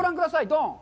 ドン。